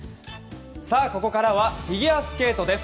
ここからはフィギュアスケートです。